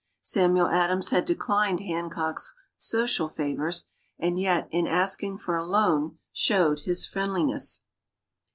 Samuel Adams had declined Hancock's social favors, and yet, in asking for a loan, showed his friendliness.